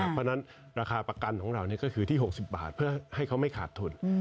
เพราะฉะนั้นราคาประกันของเราก็คือที่๖๐บาทเพื่อให้เขาไม่ขาดทุน